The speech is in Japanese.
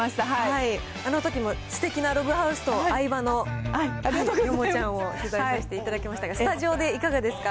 あのときもすてきなログハウスと愛馬のちゃんを取材させていただきましたが、スタジオでいかがですか。